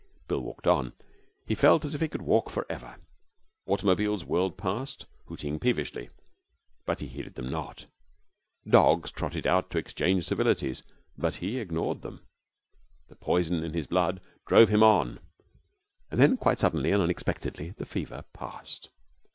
Bill walked on. He felt as if he could walk for ever. Automobiles whirred past, hooting peevishly, but he heeded them not. Dogs trotted out to exchange civilities, but he ignored them. The poison in his blood drove him on. And then quite suddenly and unexpectedly the fever passed.